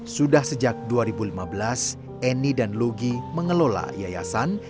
sudah sejak dua ribu lima belas eni dan lugi mengelola yayasan